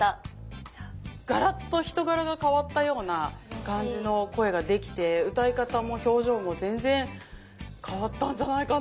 ガラッと人柄が変わったような感じの声ができて歌い方も表情も全然変わったんじゃないかな。